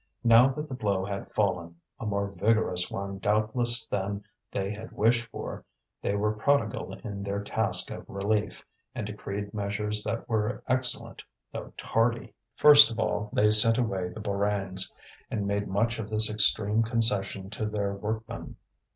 Now that the blow had fallen a more vigorous one doubtless than they had wished for they were prodigal in their task of relief, and decreed measures that were excellent though tardy. First of all they sent away the Borains, and made much of this extreme concession to their workmen.